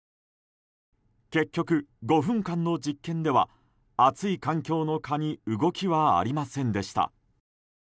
結局、５分間の実験では暑い環境の蚊に動きはありませんでした。